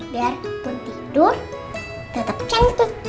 biarpun tidur tetep cantik